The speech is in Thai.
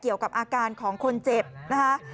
เกี่ยวกับอาการของคนเจ็บนะคะ